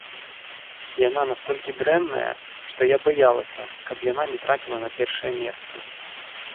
Яна настолькі дрэнная, што я баялася, каб яна не трапіла на першае месца.